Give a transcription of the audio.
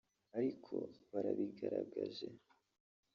ariko barabigaragaje